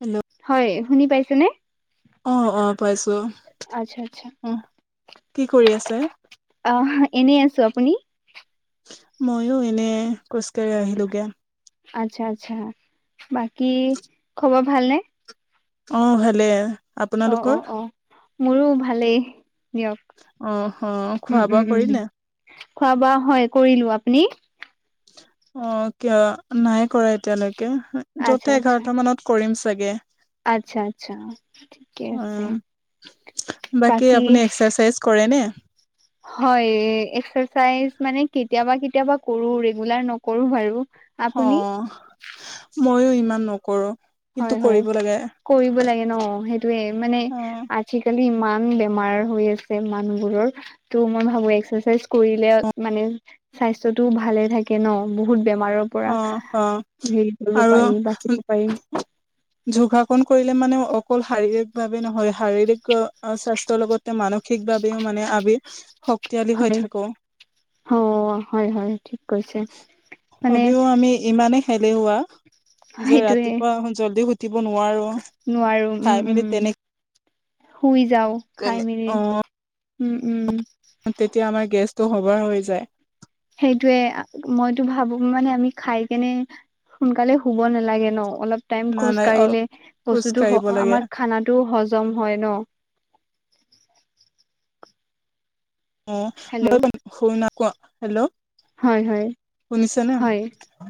Hello হয় শুনি পাইছে নে অ অ পাইছো আচ্ছা উম কি কৰি আছে আ এনেই আছো আপুনি মইও এনে খোজকাঢ়ি আহিলোগে আচ্ছা আচ্ছা বাকী খবৰ ভালনে অ ভালে অ অ আপোনালোকৰ? অ মোৰো ভালেই দিয়ক অ', অ', খোৱা উম বোৱা উম উম কৰিলে? খোৱা বোৱা হয় কৰিলো আপুনি? অ কিয় নাই কৰা এতিয়ালৈকে আচ্ছা যতে আচ্ছা এঘাৰটা মানত কৰিম চাগে। আচ্ছা আচ্ছা ঠিকে আছে। অ', বাকী আপুনি এক্সাৰচাইজ কৰে নে? হয় এক্সাৰচাইজ মানে কেতিয়াবা কেতিয়াবা কৰো ৰেগুলাৰ নকৰো বাৰু। অ আপুনি মইও ইমান নকৰোঁ। হয় হয় কৰিব লাগে ন সেইটোৱে মানে অ'। আজিকালি ইমান বেমাৰ হৈ আছে মানুহবোৰৰ ত' মই ভাবো এক্সাৰচাইজ কৰিলে মানে স্বাস্থ্যটো ভালে থাকে ন বহুত বেমাৰৰ পৰা অ', অ', হেৰি কৰিব পাৰি আৰু বাচিব পাৰি। যোগাসন কৰিলে মানে অকল শাৰীৰিক ভাৱে নহয় শাৰীৰিক স্বাস্থ্যৰ লগতে মানসিক ঠিকভাৱেও মানে আমি শক্তিশালী হৈ হয় থাকো অ হয় হয় ঠিক কৈছে। মানে যদিও আমি ইমানেই এলেহুৱা যে সেইটোয়ে ৰাতিপুৱা জল্দি উঠিব নোৱাৰোঁ। নোৱাৰো উম উম শুই যাও খাই তেনে মেলি। অ উম উম। তেতিয়া আমাৰ গেছ সেইটোৱে। মই টো ভাবো মানে আমি খাই কেনে সোনকালে শুব নালাগে ন? অলপ টাইম না খোজ নাই অ কাঢ়িলে খোজ বস্তুটো কাঢ়িব আমাৰ খানাটোও হজম হয় ন? উ [unintelligible] হেল্ল' মই শ নক [unintelligible] হেল্ল', হয় হয় শুনিছেনে হয়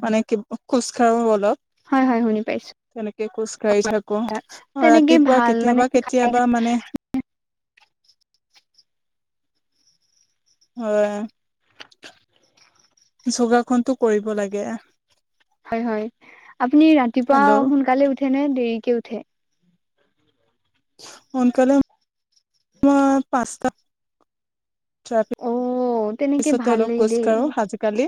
মানে কি খোজ কাঢ়ো অলপ। হয় হয় শুনি পাইছো তেনেকে খোজ কাঢ়ি থাকো আৰু তেনেকে ৰাতিপুৱা ভাল মানে কেতিয়াবা কেতিয়াবা মানে [inaudible] হয়। যোগাসনতো কৰিব লাগে। হয় হয়। আপুনি ৰাতিপুৱা হেল্ল' সোনকালে উঠে নে দেৰিকে উঠে? সোনকালে পাঁচটা তপি [unintelligible] অ তেনেকে পিছতে অলপ ভালেই খোজ দেই কাঢ়ো আজিকালি।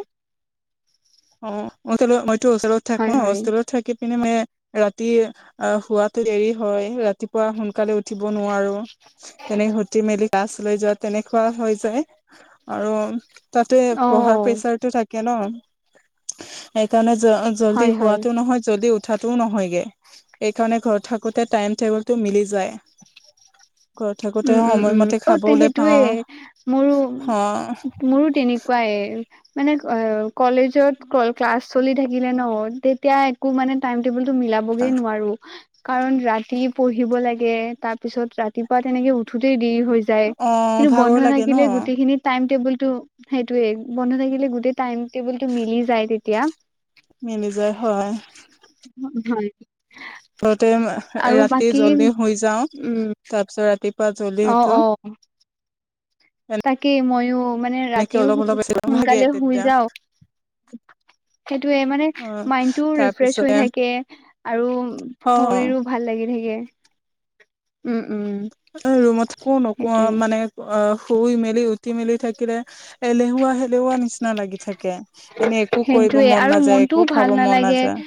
অ হোটেলত মইটো হোষ্টেলত থাকো। হয় হয় হোষ্টেলত থাকি পিনে ম ৰাতি আহ শোৱাতো দেৰি হয়, ৰাতিপুৱা সোনকালে উঠিব নোৱাৰো। তেনে উঠি মেলি ক্লাছ লৈ যোৱা তেনেকুৱা হৈ যায়। আৰু তাতে অ পঢ়াৰ প্ৰেচাৰটো থাকে ন। সেইকাৰণে অ জল্দি হয় হয় হোৱাটো নহয়, জল্দি উ থাটো নহয়গে। সেইকাৰণে ঘৰত থাকোতে টাইম টেবুলটো মিলি যায়। ঘৰত থাকোতে উম উম উম সময়মতে অ তে খাবলে সেইটোৱেয পাওঁ মোৰো মোৰো তেনেকুৱাই। মানে কলেজত ক্লাছ চলি থাকিলে ন, তেতিয়া একো মানে টাইম টো অ মিলাবগৈ নোৱাৰো। কাৰণ ৰাতি পঢ়িব লাগে, তাৰপিছত ৰাতি পুৱা তেনেকৈ উঠোতে দেৰি হৈ যাই। অ কিন্তু ভাগৰ বন্ধ লাগে ন থাকিলে গোটেইখিনি টাইম টেবুল সেইটোয়ে বন্ধ থাকিলে গোটেই টাইম টেবুলটো মিলি যায় তেতিয়া। মিলি যায় হয়। হয় ততে আৰু ৰাতি বাকী জল্দি শুই যাওঁ। উম তাৰপিছত ৰাতি পুৱা জল্দি অ উঠো। অ তাকেই মইয়ো, মানে এনেকে ৰাতিও অলপ অলপ ভাগে সোনকালে শুই তেতিয়া যাওঁ। [inaudible] সেইটোয়ে মানে অ মাইণ্ডটোও ৰিফ্ৰেছ হৈ তাৰপিছতে থাকে, আৰু অ শৰীৰো ভাল লাগি থাকে। [inaudible] ৰুমত কো নকো সেইটোয়ে মানে। অ শুই মেলি উঠি মেলি থাকিলে এলেহুৱা হেলেহুৱা নিচিনা লাগি থাকে। এনেই একো কৰিব সেইটোয়ে মন আৰু নাযায়, মনটোও একো ভাল খাব মন নালাগে নাযায়।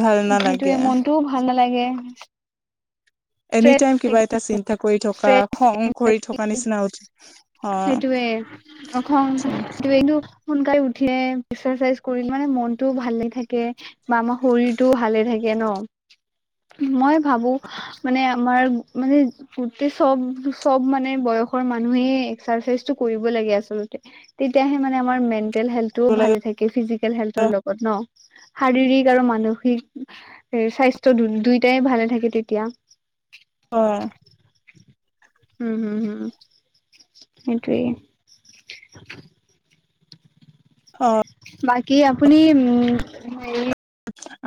ভাল নালাগে সেইটোয়ে মনটোও ভাল নালাগে। এনি টাইম কিবা এটা চিন্তা কৰি থকা, খং কৰি থকা নিচিনা উঠে। সেইটোৱে অ সেইটোয়েটো। সোনকালে উঠিয়ে এক্সাৰচাইজ কৰিলে মানে মনতটোও ভালে থাকে, বা আমাৰ শৰীৰটোও ভালে থাকে। নো [unintelligible] মই ভাবো মানে আমাৰ মানে গোটেই চব চব মানে, দেশৰ মানুহে এক্সাৰচাইজটো কৰিব লাগে আচলতে, তেতিয়াহে মানে আমাৰ মেন্তে - হেল্থটো অ ভালে থাকে, ফিজিকেল হেল্থৰ লগত ন। শাৰীৰিক আৰু মানসিক স্বাস্থ্য দুয়োটাই ভালে থাকে তেতিয়া [unintelligible] আহ [inaudible] উম হুম-হুম [unintelligible] সেইটোৱেই [inaudible] অ [unintelligible] বাকী আপুনি উম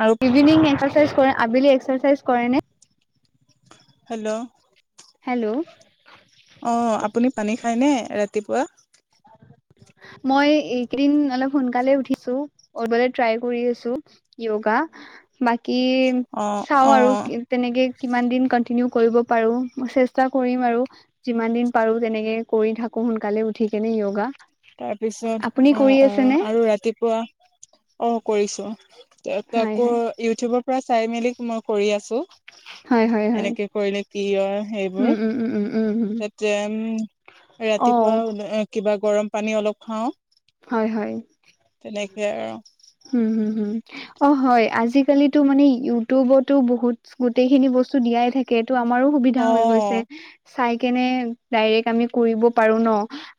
আৰু ইভিনিং [unintelligible] ইভিনিং আবেলি এস্কাৰচাইজ কৰে নে? [unintelligible] হেল্ল' [unintelligible] হেল্ল' [inaudible] অ আপুনি পানী খাইনে ৰাতিপুৱা? [inaudible] [inaudible] মই এইকেইদিন অলপ সোনকালে উঠিছোঁ কৰিবলে ট্ৰাই কৰি আছো য়োগা [inaudible] বাকী অ চাও অ আৰু তেনেকে কিমানদিন কন্টিনিউ কৰিব পাৰো চেষ্টা কৰিম আৰু যিমানদিন পাৰো তেনেকে কৰি থাকো। সোনকালে উঠি কেনে য়োগা। তাৰপিছত আপুনি কৰি অ-অ আছেনে আৰু ৰাতিপুৱা অ কৰিছোঁ। তা হয় তাকো হয় ইউটিউবৰ পৰা চাই মেলি মই কৰি আছোঁ। হয় হয় হয় এনেকে কৰিলে কি হয় সেইবোৰ উম উম উম উম উম উম এ উম অ ৰাতিপুৱা কিবা গৰম পানী অলপ খাওঁ। হয়-হয়। সেইয়াই আৰু হুম-হুম-হুম অ হয় আজিকালিটো মানে ইউটিউবতো বহুত গোটেইখিনি বস্তু দিয়াই থাকে তো আমাৰো সুবিধা অ হৈ গৈছে। চাই কেনে ডাইৰেক্ট আমি কৰিব পাৰো ন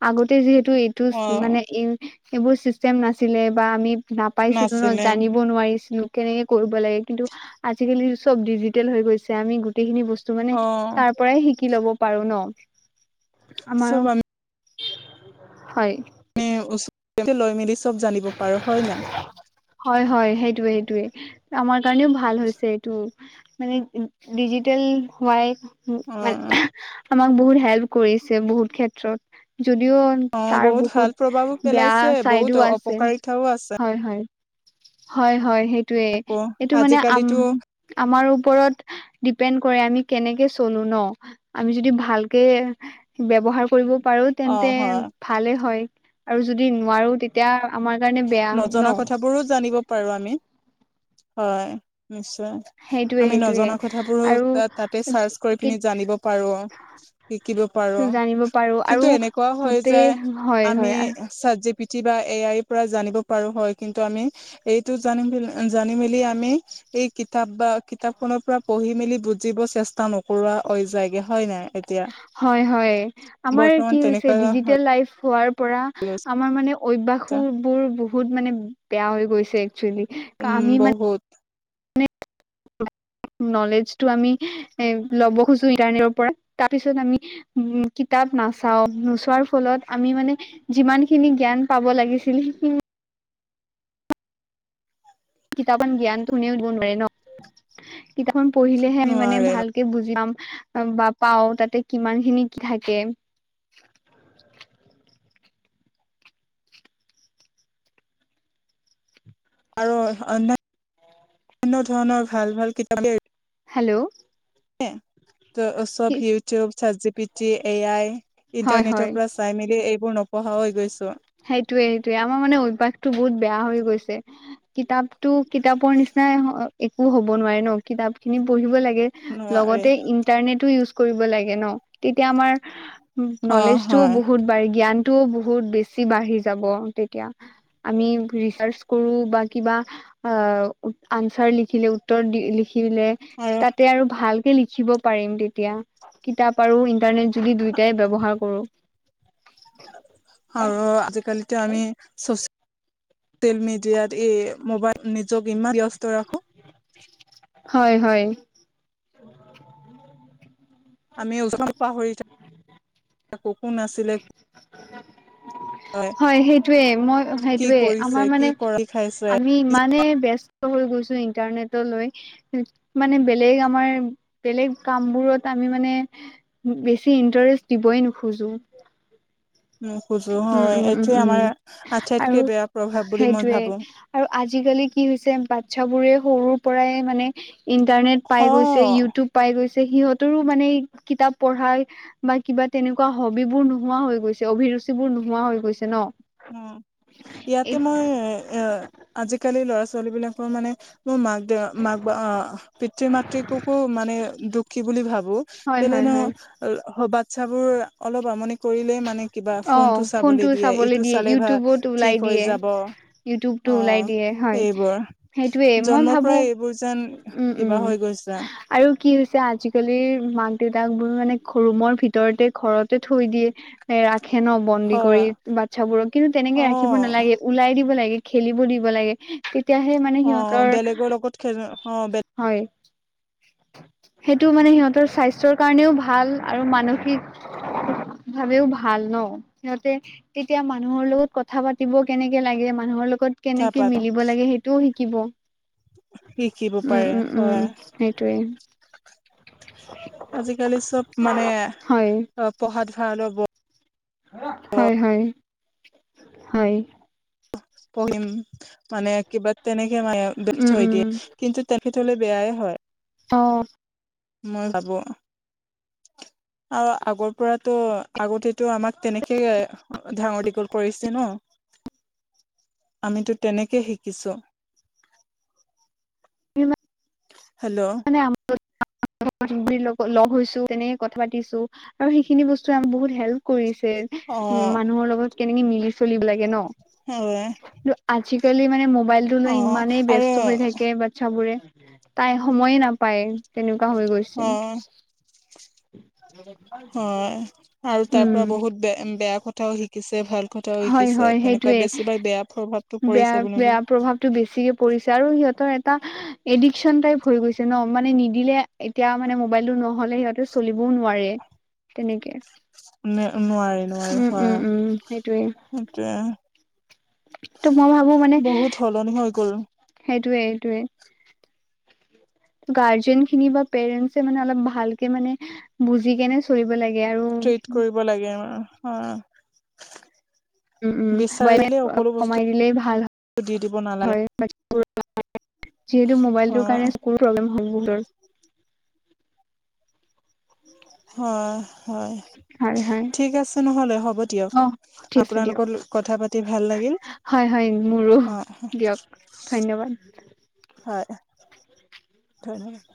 আগতে যিহেতু টো এইটো অ মানে এই সেইবোৰ চিষ্টেম নাছিলে বা আমি নাপাইছিলো ন নাছিলে জানিব নোৱাৰিছিলো। কেনেকে কৰিব লাগে কিন্তু আজিকালি চব ডিজিটেল হৈ গৈছে আমি গোটেইখিনি বস্তু টো মানে অ তাৰ পৰাই শিকি লব পাৰো ন আমাৰ চব হয়। মানে ওচৰ লৈ মেলি চব জানিব পাৰো হয় নাই? হয়-হয় সেইটোৱেই-সেইটোৱেই আমাৰ কাৰণেও ভাল হৈছে এইটো মানে ডিজিটেল হাই অ মানে আমাক বহুত হেল্প কৰিছে বহুত ক্ষেত্ৰত। যদিও অ তাৰ বহুত ভাল প্ৰভাৱো বহুত বেয়া পেলাইছে বহুত চাইডো আছে অপকাৰিতাও আছে হয়-হয়। হয়-হয় সেইটোৱেই আকৌ এইটো মানে আজিকালিতো আম-আমাৰ ওপৰত ডিপেণ্ড কৰে আমি কেনেকে চলো ন আমি যদি ভালকে ব্যৱহাৰ কৰিব। পাৰো অ তেন্তে হয় ভালে হয় আৰু যদি নোৱাৰো তেতিয়া আমাৰ কাৰণে বেয়া নজনা ন কথাবোৰো জানিব পাৰো আমি হয় নিশ্চয় সেইটোৱে আমি সেইটোৱে নজনা কথাবোৰো আৰু তাতে চাৰ্চ কৰি পিনি জানিব পাৰোঁ। শিকিব পাৰো জানিব পাৰো আৰু কিন্তু এনেকুৱা হয় যে গোটেই হয় আমি হয় চাত জি পি টি পিটি বা এআই পৰা জানিব পাৰো হয় কিন্তু আমি এইটো জানি জানি মেলি আমি এই কিতাপ বা কিতাপখনৰ পৰা পঢ়ি মেলি বুজিব চেষ্টা নকৰোৱা হৈ যায় গে হয় নাই এতিয়া হয়-হয় আমাৰ বৰ্তমান কি হৈছে তেনেকুৱা হৈ ডিজিটেল লাইফ হোৱাৰ পৰা গৈছে আমাৰ মানে অভ্যাসবোৰ বহুত মানে বেয়া হৈ গৈছে। একচুৱেলি উম আমি মানে বহুত নলেজটো আমি এ ল'ব খোজো ইন্টাৰনেটৰ পৰা তাৰ পিছত আমি উ কিতাপ নাচাও নোচোৱাৰ ফলত আমি মানে যিমানখিনি জ্ঞান পাব লাগিছিল সেইখিনি কিতাপন জ্ঞান কোনেও দিব নোৱাৰে ন খন পঢ়িলেহে আমি মানে নোৱাৰে ভালকে বুজি পাম বা পাওঁ তাতে কিমান খিনি কি থাকে আৰু অন অনান্য ধৰণৰ ভাল ভাল কিতাপ হেল্ল' ত' কি উৎসৱ ইউটিউব চাট জি পিটি এ আই হয় হয় ইন্টাৰনেটৰ পৰা চাই মেলি এইবোৰ নপঢ়া হৈ গৈছো সেইটোয়ে সেইটোয়ে আমাৰ মানে অভ্যাসটো বহুত বেয়া হৈ গৈছে কিতাপতো কিতাপৰ নিচিনা নাই একো হ'ব নোৱাৰে ন কিতাপ খিনি পঢ়িব লাগে নোৱাৰে লগতে ইন্টাৰনেটো ইউজ কৰিব লাগে ন তেতিয়া আমাৰ অ নলেজ টোও হয় বহুত বাৰি জ্ঞান ও বহুত বেছি বাঢি যাব তেতিয়া আমি কৰো বা কিবা আনচাৰ লিখিলে উত্তৰ দি লিখিলে তাতে আৰু ভাল লিখিব পাৰিম তেতিয়া কিতাপ আৰু ইন্টাৰনেট যদি দুয়টাই ব্যৱহাৰ কৰো আজি কালিতো আমি চচিয়েল ছচিয়েল মিডিয়াত এই মোবাইল নিজক ইমান ব্যস্ত ৰাখোঁ হয় হয় আমি ওচমান পাহৰি থাক আ কোন আছিলে হয় সেইটোয়ে মই কি সেইটোয়ে কৰিছে আমাৰ কি মানে কৰি খাইছে আমি ইমানে বস হৈ গৈছো ইন্টাৰনেট লৈ মানে বেলেগ আমাৰ বেলেগ কাম বোৰত আমি মানে বেছি ইন্টাৰেষ্ট দিবই নোখোজো নোখোজো উম হয় উম উম এইটোৱে উম আমাৰ আটাইতকে আৰু বেয়া প্ৰভাৱ বুলি মই সেইটোৱে ভাবো আৰু আজি আজিকালি কি হৈছে বাচ্ছ বোৰে সৰুৰ পৰাই মানে ইণ্টাৰনেট পাই গৈছে হ ইউটিউব পাই গৈছে সিহঁতৰো মানে কিতাপ পঢ়া বা কিবা তেনেকুৱা হবিবোৰ নোহোৱা হৈ গৈছে অভিৰুচি সেইবোৰৰ নোহোৱা হৈ গৈছে ন উ ইয়াতে এই মই এ আজিকালি ল'ৰা ছোৱালী বিলাকৰ মানে মোৰ মাক দেউ মাক পিতৃ মাতৃককো মানে দুখী বুলি ভাবো হয় কেলে হয় হয় বাচ্ছাবোৰ অলপ আমনি কৰিলেই মানে কিবা অ ফোন টো চাবলৈ ফোনটো দিয়ে চাবলৈ তটো দিয়ে চালে ভা ইউটিউবত ওলাই ঠিক হৈ দিয়ে যাব অ ইউটিউবটো ওলাই দিয়ে হয় এইবোৰ সেইটোয়ে মই জন্মৰ ভাবো পৰা এইবোৰ যেন উম কিবা উম হৈ গৈছে আৰু কি হৈছে আজিকালিৰ মাক দেউতাক বোৰ মানে ৰুমৰ ভিতৰতে ঘৰতে থৈ দিয়ে এ ৰা খেন বন্দী হয় কৰি বাচ্ছাবোৰক কিন্তু তেনেকে অ ৰাখিব নালাগে ওলাই দিব লাগে খেলিব দিব লাগে তেতিয়াহে মানে সিহঁতৰ অঁ হয় সেইটো মানে সিহঁতৰ স্বাস্থ্যৰ কাৰণেও ভাল আৰু মানসিক ভাবেও ভাল ন সিহঁতে তেতিয়া মানুহৰ লগত কথা পাতিব কেনেকে লাগে মানুহৰ লগত ত কথা কেনেকে পাত মিলিব লাগে সেইটোও শিকিব শিকিব উম পাৰে উম উম হয় সেইটোৱে আজিকালি চব মানে হয় পঢ়া আৰু [unintelligible] হয় হয় পঢ়িম মানে কিবা তেনেকে মে উম থৈ উম দিয়ে কিন্তু তেনে থলে বেয়াই হয় অ মই ভাবো আৰু আগৰ পৰাতো আগতেতো আমাক তেনেকে ডাঙৰ দীঘল কৰিছে ন আমিতো তেনেকে শিকিছো এই [inaudible] হেল্ল' মানে [unintelligible] ৱীৰ লগত [unintelligible] লগ হৈছো তেনেকে কথা পাতিছো আৰু সেইখিনি বস্তু আ বহুত হেল্প কৰিছে অ উম মানুহৰ লগত কেনেকে মিলি চলিব লাগে থাকে হয় ন আজিকালি মানে ম মোবাইলটো অ লৈ ইমানেই আৰু ব্যস্ত হৈ থাকে বাচ্ছাবোৰে তাই সময়ে নাপায় তেনেকুৱা পাহৰি গৈছো অ হয় আৰু তাৰ উম পৰা বহুত বে বেয়া কথাও শিকিছে ভাল কথাও হয় শিকিছে হয় তেনেকুৱা সেইটোয়ে বেছিভাগ বেয়া প্ৰভাৱটো বেয়া পৰিছে বুলি বেয়া প্ৰভাৱতটো বেছিকে পৰিছে আৰু সিহঁতৰ এডিকচন টাইপ হৈ গৈছে ন মানে নিদিলে এতিয়া মানে মোবাইলতো নহ নহলে সিহঁতে চলিবও নোৱাৰে তেনেকে ন নোৱাৰি নোৱাৰি উম উম হয় উম সেইটোয়ে ত সেইটোয়ে মই ভাবো বহুত সলনি হৈ গল সেইটোৱে সেইটোৱে গাৰ্জেন খিনি বা পেৰেন্ট মানে অলপ ভালকে মানে বুজি কেনে চলিব লাগে আৰু ট্ৰিট কৰিব লাগে অ উম উম বিচাৰিলে বইলাৰ সকলো বস্তু কমাই দিলেই ভাল দি দিব নালাগে হয় [unintelligible] যি হেতু মোবাইল টো হয় কাৰণে চকুৰ প্ৰব্লেম নুশুনে হয় হয় হয় হয় ঠিক আছে নহলে হ'ব দিয়ক অ ঠিক আছে দিয়ক আপোনালোকৰ কথা পাতি ভাল লাগিল হয় হয় মোৰো অ দিয়ক ধন্যবাদ হয় থহে [unintelligible]